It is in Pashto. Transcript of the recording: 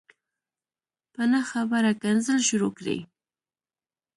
په نه خبره کنځل شروع کړي